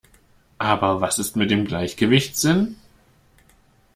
Aber was ist mit dem Gleichgewichtssinn?